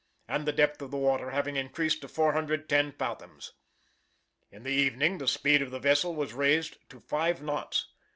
and the depth of the water having increased to 410 fathoms. In the evening the speed of the vessel was raised to five knots.